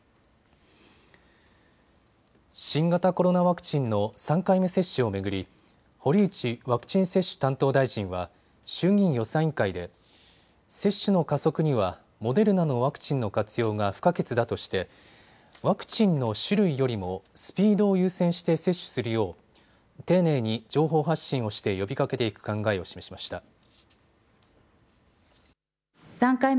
新型コロナワクチンの３回目接種を巡り堀内ワクチン接種担当大臣は衆議院予算委員会で接種の加速にはモデルナのワクチンの活用が不可欠だとしてワクチンの種類よりもスピードを優先して接種するよう丁寧に情報発信をして呼びかけていく考えを示しました。